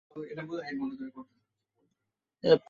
কণা তরঙ্গ দ্বৈততাদেখুন।